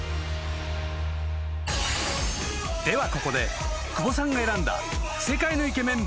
［ではここで窪さんが選んだ世界のイケメン